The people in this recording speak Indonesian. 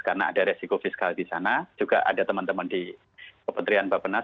karena ada resiko fiskal di sana juga ada teman teman di kementerian bapak penas